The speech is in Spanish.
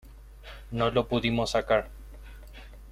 No lo pudimos sacar.